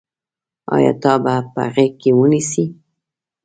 آیا تا به په غېږ کې ونیسي.